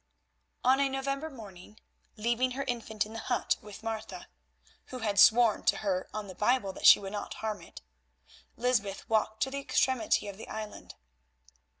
On a November morning, leaving her infant in the hut with Martha, who had sworn to her on the Bible that she would not harm it, Lysbeth walked to the extremity of the island.